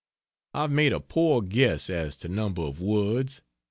I've made a poor guess as to number of words.